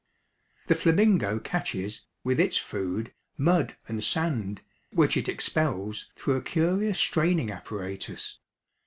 The flamingo catches, with its food, mud and sand, which it expels through a curious straining apparatus.